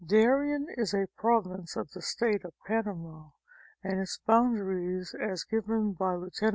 Darien is a province of the State of Panama and its boundaries as given by Lieut.